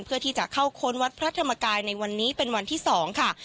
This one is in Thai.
เพื่อที่จะเข้าค้นวัดพระธรรมกายในวันนี้เป็นวันที่๒ค่ะ